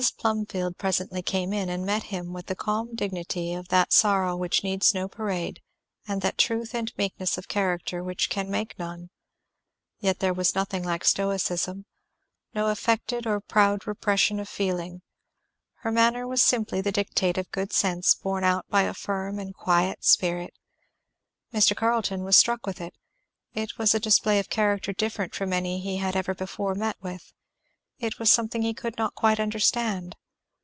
Plumfield presently came in, and met him with the calm dignity of that sorrow which needs no parade and that truth and meekness of character which can make none. Yet there was nothing like stoicism, no affected or proud repression of feeling; her manner was simply the dictate of good sense borne out by a firm and quiet spirit. Mr. Carleton was struck with it, it was a display of character different from any he had ever before met with; it was something he could not quite understand.